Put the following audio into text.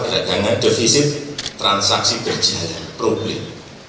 dengan defisit transaksi berjalan problem